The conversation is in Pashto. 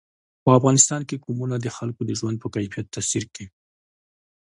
په افغانستان کې قومونه د خلکو د ژوند په کیفیت تاثیر کوي.